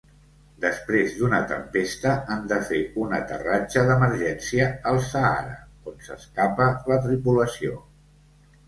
Després d’una tempesta han de fer un aterratge d'emergència al Sàhara, on s'escapa la tripulació.